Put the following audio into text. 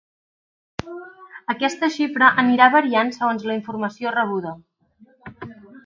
Aquesta xifra anirà variant segons la informació rebuda.